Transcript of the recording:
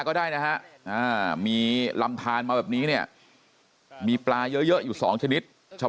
ก็ได้นะฮะมีลำทานมาแบบนี้เนี่ยมีปลาเยอะอยู่๒ชนิดชาว